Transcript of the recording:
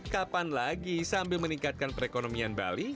kapan lagi sambil meningkatkan perekonomian bali